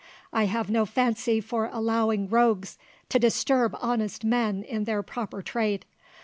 I have no fancy for allowing rogues to disturb honest men in their proper trade.